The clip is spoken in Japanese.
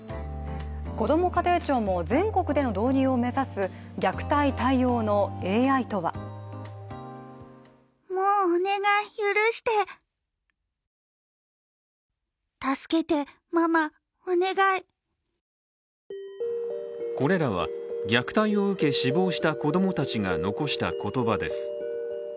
こども家庭庁も全国での導入を目指す虐待対応のＡＩとはこれらは、虐待を受け、死亡した子供たちが遺した言葉です。